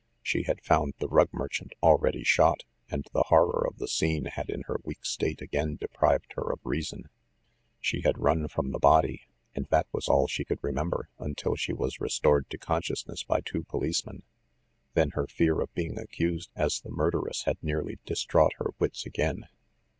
She had found the rug merchant al ready shot, and the horror of the scene had in her weak state again deprived her of reason. She had run from the body ‚ÄĒ and that was all she could remember until she was restored to consciousness by two police men. Then, her fear of being accused as the murderess had nearly distraught her wits again.